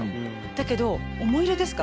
だけど思い入れですか